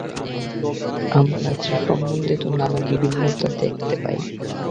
আবার আচার সম্বন্ধে তো নানা বিভিন্নতা দেখিতে পাই।